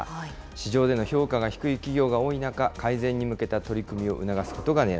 市場での評価が低い企業が多い中、改善に向けた取り組みを促すこと